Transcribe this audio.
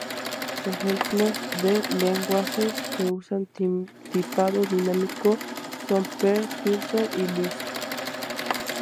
Ejemplos de lenguajes que usan tipado dinámico son Perl, Python y Lisp.